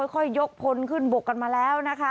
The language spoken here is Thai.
ค่อยยกพลขึ้นบกกันมาแล้วนะคะ